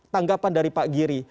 tanggapan dari pak giri